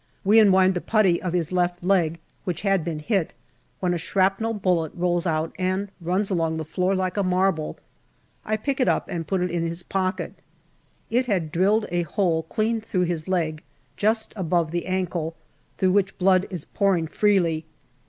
We unwind the puttee of his left leg, which had been hit, when a shrapnel bullet rolls out and runs along the floor like a marble. I pick it up and put it in his pocket. It had drilled a hole clean through his leg, just above the ankle, through which blood is pouring freely.